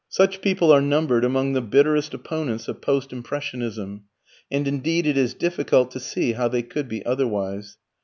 Such people are numbered among the bitterest opponents of Post Impressionism, and indeed it is difficult to see how they could be otherwise.